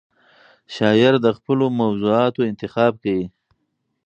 شاعر د خپلو موضوعاتو انتخاب کوي.